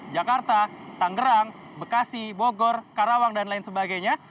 jakarta tanggerang bekasi bogor karawang dan lain sebagainya